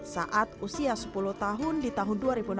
saat usia sepuluh tahun di tahun dua ribu enam belas